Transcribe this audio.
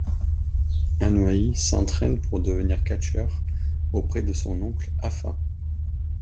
Anoa'i s'entraîne pour devenir catcheur auprès de son oncle Afa.